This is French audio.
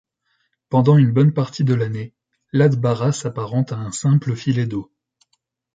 Pendant une bonne partie de l'année, l'Atbara s'apparente à un simple filet d'eau.